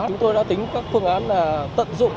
chúng tôi đã tính các phương án là tận dụng